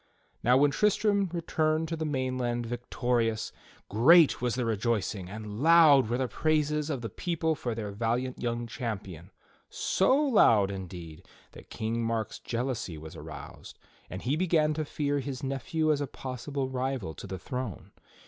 Now when Tristram returned to the mainland victorious, great was the rejoicing, and loud were the praises of the people for their valiant young champion — so loud, indeed, that King Mark's jeal ousy was aroused, and he began to fear his nephew as a possible rival to the throne.